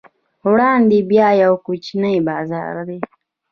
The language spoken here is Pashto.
وړاندې بیا یو کوچنی بازار دی.